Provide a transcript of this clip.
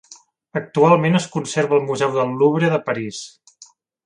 Actualment es conserva al Museu del Louvre de París.